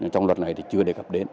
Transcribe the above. trong luật này thì chưa đề cập đến